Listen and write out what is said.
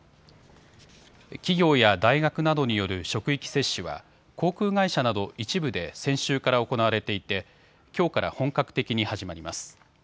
企業や大学などによる職域接種は航空会社など一部で先週から行われていてきょうから本格的に始まります。